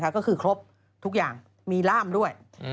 ก็คือครบทุกอย่างมีร่ามด้วย